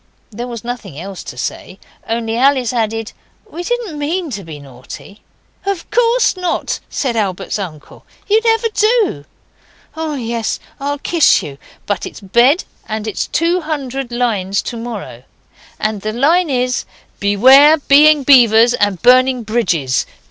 There was nothing else to say, only Alice added, 'We didn't MEAN to be naughty.' 'Of course not,' said Albert's uncle, 'you never do. Oh, yes, I'll kiss you but it's bed and it's two hundred lines to morrow, and the line is "Beware of Being Beavers and Burning Bridges.